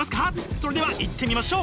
それではいってみましょう！